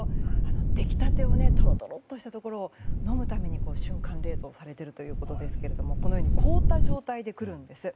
出来立てをとろとろっとしたところを飲むために瞬間冷凍されているということですがこのように凍った状態で来るんです。